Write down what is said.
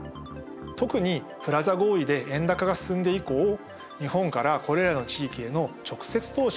特にプラザ合意で円高が進んで以降日本からこれらの地域への直接投資が急激に増加しました。